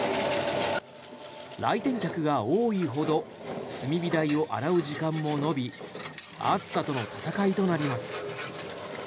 来店客が多いほど炭火台を洗う時間も延び暑さとの闘いとなります。